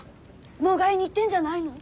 迎えに行ってんじゃないの？